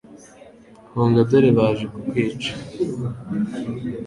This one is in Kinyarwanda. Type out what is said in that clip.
Hunga dore baje kukwica